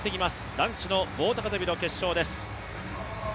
男子の棒高跳の決勝です。